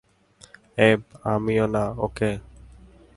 অ্যাব, আমিও না, ওকে?